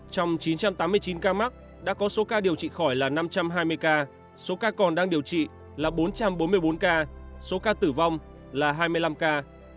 trong chín trăm tám mươi chín ca mắc đã có số ca điều trị khỏi là năm trăm hai mươi ca số ca còn đang điều trị là bốn trăm bốn mươi bốn ca số ca tử vong là hai mươi năm ca